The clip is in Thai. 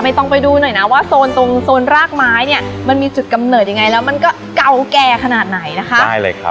ต้องไปดูหน่อยนะว่าโซนตรงโซนรากไม้เนี่ยมันมีจุดกำเนิดยังไงแล้วมันก็เก่าแก่ขนาดไหนนะคะได้เลยครับ